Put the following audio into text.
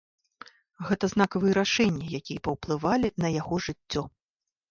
Гэта знакавыя рашэнні, якія паўплывалі на яго жыццё.